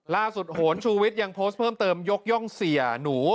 โหนชูวิทย์ยังโพสต์เพิ่มเติมยกย่องเสียหนู